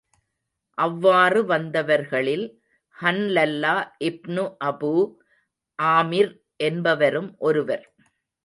அவ்வாறு வந்தவர்களில் ஹன்லல்லா இப்னு அபூ ஆமிர் என்பவரும் ஒருவர்.